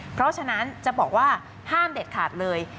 เพราะฉะนั้นจะบอกว่าห้ามเด็ดขาดเลย